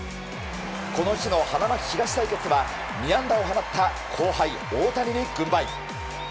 この日の花巻東対決は２安打を放った後輩・大谷に軍配。